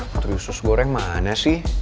putri sus goreng mana sih